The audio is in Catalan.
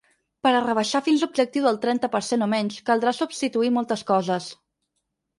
Per a rebaixar fins l’objectiu del trenta per cent o menys, caldrà substituir moltes coses.